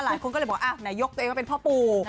หลายคนก็เลยบอกไหนยกตัวเองว่าเป็นพ่อปู่